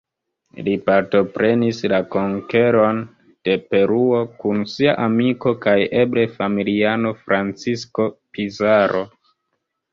Li partoprenis la konkeron de Peruo, kun sia amiko kaj eble familiano Francisco Pizarro.